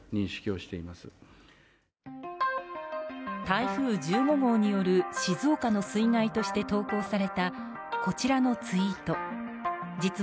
台風１５号による静岡の水害として投稿された、こちらのツイート。